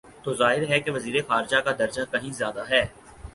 تو ظاہر ہے کہ وزیر خارجہ کا درجہ کہیں زیادہ ہے۔